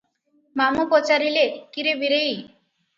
ମାମୁ ପଚାରିଲେ, "କି ରେ ବୀରେଇ!